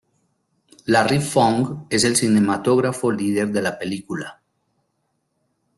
Larry Fong es el cinematógrafo líder de la película.